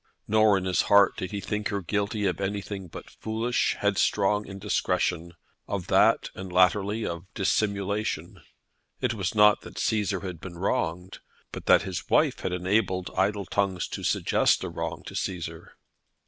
Nor, in his heart, did he think her guilty of anything but foolish, headstrong indiscretion, of that and latterly of dissimulation. It was not that Cæsar had been wronged, but that his wife had enabled idle tongues to suggest a wrong to Cæsar.